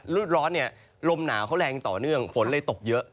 รูดร้อนเนี่ยลมหนาวเขาแรงต่อเนื่องฝนเลยตกเยอะ